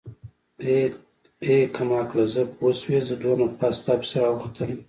ای کمقله زه پوشوې دونه پاس تاپسې راوختلمه.